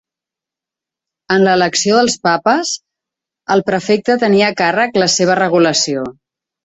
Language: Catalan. En l'elecció dels papes el prefecte tenia a càrrec la seva regulació.